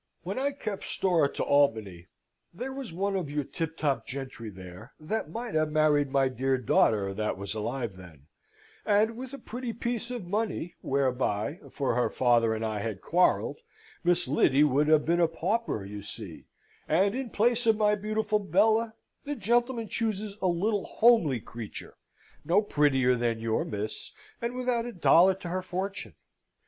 When I kept store to Albany, there was one of your tiptop gentry there that might have married my dear daughter that was alive then, and with a pretty piece of money, whereby for her father and I had quarrelled Miss Lyddy would have been a pauper, you see: and in place of my beautiful Bella, my gentleman chooses a little homely creature, no prettier than your Miss, and without a dollar to her fortune.